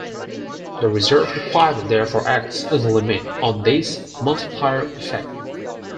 The reserve requirement therefore acts as a limit on this multiplier effect.